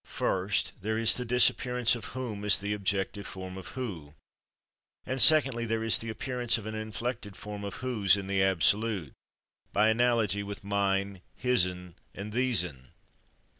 First there is the disappearance of /whom/ as the objective form of /who/, and secondly there is the appearance of an inflected form of /whose/ in the absolute, by analogy with /mine/, /hisn/ and /thesen